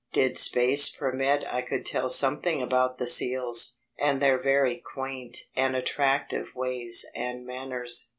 Did space permit I could tell something about the seals, and their very quaint and attractive ways and manners.